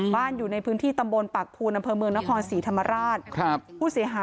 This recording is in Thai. บ้านอยู่ในพื้นที่ตำบลปากภูชนำเผอร์เมืองนะครสิริธรรมราช